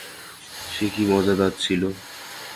সে কি মজাদার ছিল?